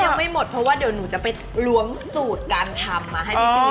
ยังไม่หมดเพราะว่าเดี๋ยวหนูจะไปล้วงสูตรการทำมาให้พี่จิ